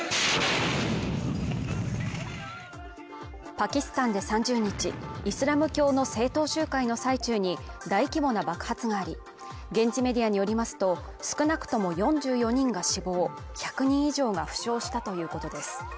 パキスタンで３０日イスラム教の政党集会の最中に大規模な爆発があり現地メディアによりますと少なくとも４４人が死亡１００人以上が負傷したということです